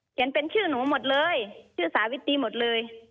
เป็นชื่อหนูหมดเลยชื่อสาวิตรีหมดเลย